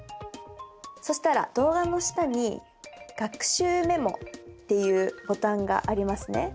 そしたら動画の下に「学習メモ」っていうボタンがありますね。